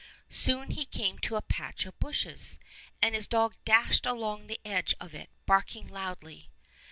Soon he came to a patch of bushes, and his dog dashed along the edge of it, barking loudly.